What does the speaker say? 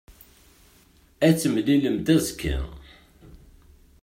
Ad t-temlilemt azekka.